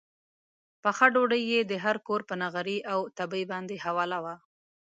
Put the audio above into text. پخه ډوډۍ یې د هر کور پر نغري او تبۍ باندې حواله وه.